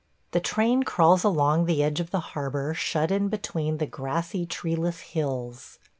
The train crawls along the edge of the harbor shut in between the grassy, treeless hills.